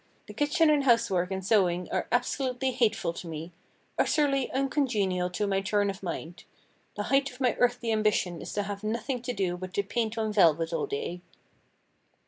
The kitchen and housework and sewing are absolutely hateful to me—utterly uncongenial to my turn of mind. The height of my earthly ambition is to have nothing to do but to paint on velvet all day!"